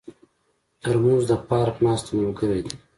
ترموز د پارک ناستو ملګری دی.